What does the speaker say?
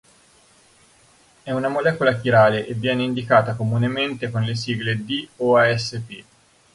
È una molecola chirale e viene indicata comunemente con le sigle D o Asp.